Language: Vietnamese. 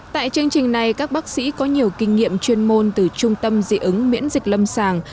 tại chương trình này các bác sĩ có nhiều kinh nghiệm chuyên môn từ trung tâm dị ứng miễn dịch lâm sàng